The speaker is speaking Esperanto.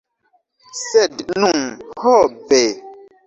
Sed nun, ho ve!